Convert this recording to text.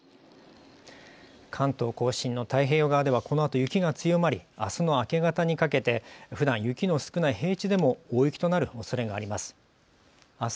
関東・甲信の太平洋側ではこのあと雪が強まり明日の明け方にかけてふだん雪の少ない平地でも大雪となるおそれがあります。